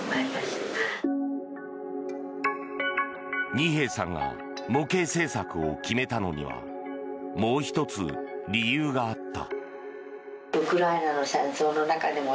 二瓶さんが模型制作を決めたのにはもう１つ理由があった。